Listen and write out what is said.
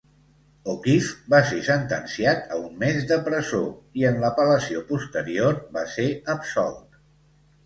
O'Keefe va ser sentenciat a un mes de presó, i en l'apel·lació posterior va ser absolt.